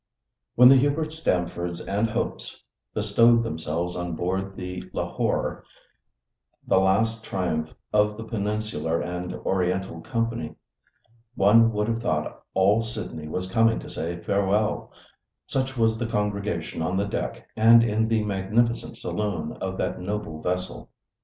When the Hubert Stamfords and Hopes bestowed themselves on board the Lahore—the last triumph of the Peninsular and Oriental Company—one would have thought all Sydney was coming to say farewell—such was the congregation on the deck and in the magnificent saloon of that noble vessel.